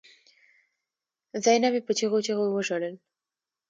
زينبې په چيغو چيغو وژړل.